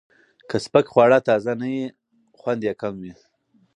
که سپک خواړه تازه نه وي، خوند یې کم وي.